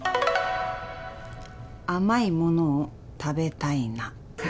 甘いものを食べたいな。